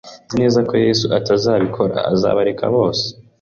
Nzi neza ko Yesu atazabikora azabareka bose